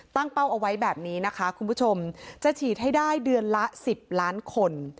เป้าเอาไว้แบบนี้นะคะคุณผู้ชมจะฉีดให้ได้เดือนละ๑๐ล้านคน